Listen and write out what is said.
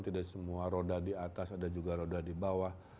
tidak semua roda di atas ada juga roda di bawah